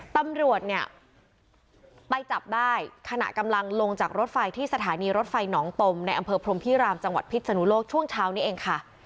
ตำรวจเนี่ยไปจับได้ขณะกำลังลงจากรถไฟที่สถานีรถไฟหนองตมในอำเภอพรมพิรามจังหวัดพิษนุโลกช่วงเช้านี้เองค่ะ